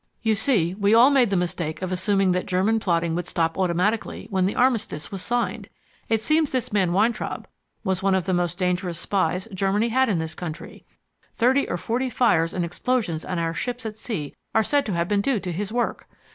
You see, we all made the mistake of assuming that German plotting would stop automatically when the armistice was signed. It seems that this man Weintraub was one of the most dangerous spies Germany had in this country. Thirty or forty fires and explosions on our ships at sea are said to have been due to his work.